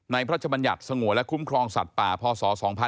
พระชบัญญัติสงวนและคุ้มครองสัตว์ป่าพศ๒๕๖๒